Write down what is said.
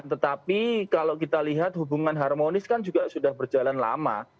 tetapi kalau kita lihat hubungan harmonis kan juga sudah berjalan lama